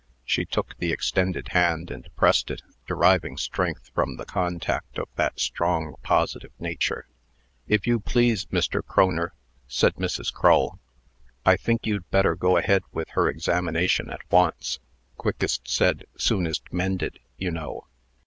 She took the extended hand, and pressed it, deriving strength from the contact of that strong, positive nature. "If you please, Mr. Cronner," said Mrs. Crull, "I think you'd better go ahead with her examination at once. Quickest said, soonest mended, you know."